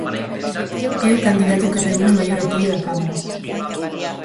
É o candidato que reúne maior apoio da cámara.